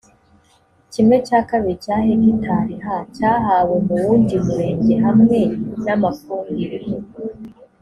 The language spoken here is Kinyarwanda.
kimwe cya kabiri cya hegitari ha cyahawe mu wundi murenge hamwe n amafumbire